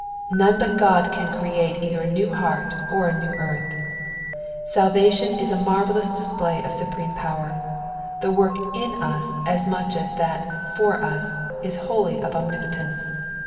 None but God can create either a new heart or a new earth. Salvation is a miarvellous display of supreme power ; the work i« us as much as that /or us is wholly of Omnipotence.